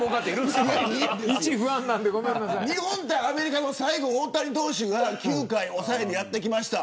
日本対アメリカも最後、大谷投手が９回抑えにやってきました。